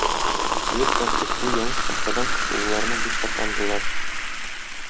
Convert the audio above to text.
Егет белән кыз бу явыз патшадан котылуларына бик шатландылар.